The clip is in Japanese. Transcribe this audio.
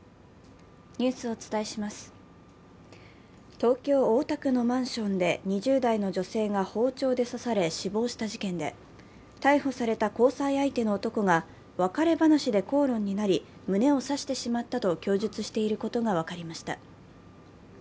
東京・大田区のマンションで２０代の女性が包丁で刺され死亡した事件で、逮捕された交際相手の男が別れ話で口論になり胸を刺してしまったと供述していることが分かりました。